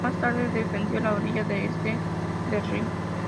Más tarde, defendió la orilla este del Rin.